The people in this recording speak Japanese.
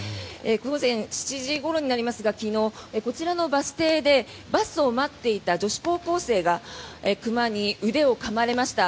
午前７時ごろになりますが昨日、こちらのバス停でバスを待っていた女子高校生が熊に腕をかまれました。